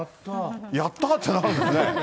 やったーってなるんですね。